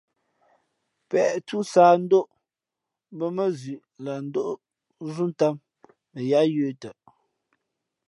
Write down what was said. Pěʼtū sáhndóʼ mbᾱ mα zʉ̌ʼ lah ndóʼ zú ntām mα yāā yə̄ tαʼ.